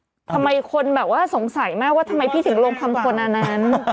ทำไมคนแบบว่าสงสัยมากว่าทำไมพี่ถึงลงคำคนอันนั้น